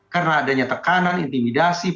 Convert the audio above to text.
karena adanya tekanan intimidasi perhatian dan lain lain